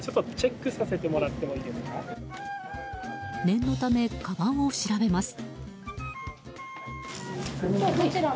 念のため、かばんを調べます。